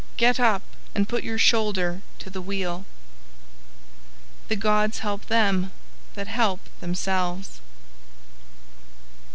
Get up and put your shoulder to the wheel." "THE GODS HELP THEM THAT HELP THEMSELVES."